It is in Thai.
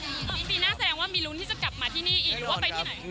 ปีหน้าแสดงว่ามีลุ้นที่จะกลับมาที่นี่อีกหรือว่าไปที่ไหน